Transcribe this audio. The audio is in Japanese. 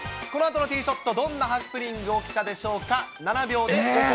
このあとのティーショット、どんなハプニングが起きたでしょうか。